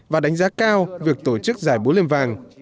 và đánh giá cao việc tổ chức giải bố liên vàng